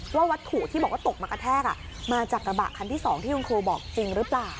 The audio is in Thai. วัตถุที่บอกว่าตกมากระแทกมาจากกระบะคันที่๒ที่คุณครูบอกจริงหรือเปล่า